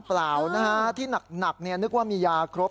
มันหนักเหมือนมันต้องมีครบ